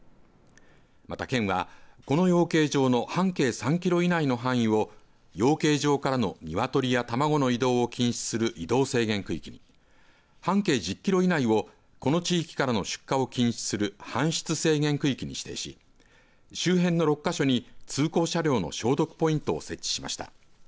また、県はこの養鶏場の半径３キロ以内の範囲を養鶏場からの鶏や卵の移動を禁止する移動制限区域に半径１０キロ以内をこの地域からの出荷を禁止する搬出制限区域に指定し周辺の６か所に通行車両の消毒ポイントを設置しました。